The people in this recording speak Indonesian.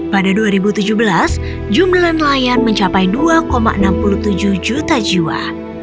pada dua ribu tujuh belas jumlah nelayan mencapai dua enam puluh tujuh juta jiwa